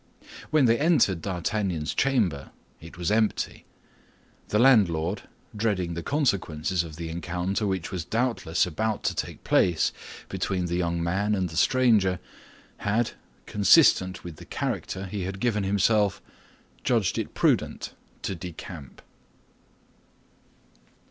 When they entered D'Artagnan's chamber, it was empty; the landlord, dreading the consequences of the encounter which was doubtless about to take place between the young man and the stranger, had, consistent with the character he had given himself, judged it prudent to decamp.